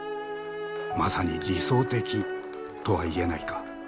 「まさに理想的」とは言えないか？